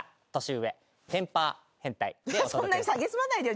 そんなにさげすまないでよ。